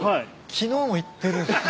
昨日も行ってるんす。